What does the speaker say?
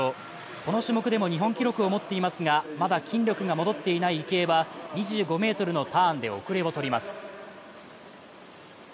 この種目でも日本記録を持っていますがまだ筋力が戻っていない池江は２５ｍのターンで遅れをとります。